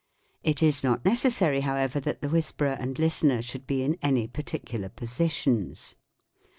It is not necessary, however, that the whisperer and listener should be in any particular positions.